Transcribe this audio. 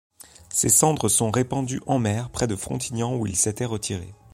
Ses cendres sont répandues en mer près de Frontignan où il s'était retiré.